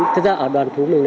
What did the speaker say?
thật ra ở đoàn thú mình